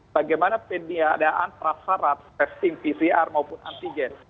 bagaimana peniadaan prasarat testing pcr maupun antigen